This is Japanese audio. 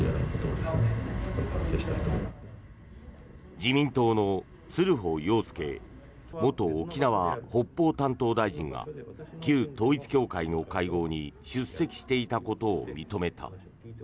自民党の鶴保庸介元沖縄・北方担当大臣が旧統一教会の会合に出席していたことを認めた。